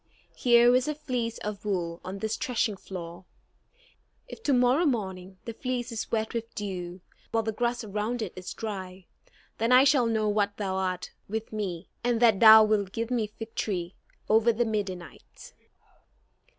Here is a fleece of wool on this threshing floor. If to morrow morning the fleece is wet with dew, while the grass around it is dry, then I shall know that thou art with me; and that thou wilt give me victory over the Midianites."